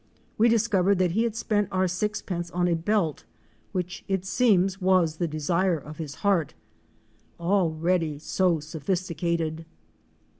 We discovered that he had spent our sixpence on a belt which it seems was the desire of his heart — already so sophisti cated!